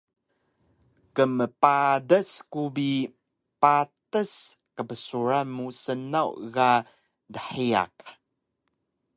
kmpadas ku bi patas qbsuran mu snaw ga dhiyaq